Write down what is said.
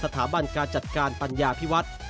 สถาบันการจัดการปัญญาพิวัฒน์